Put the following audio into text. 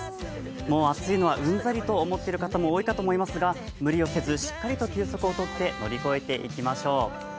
もう暑いのはうんざりと思っている方も多いと思いますが、無理をせずしっかりと休息を取って乗り越えていきましょう。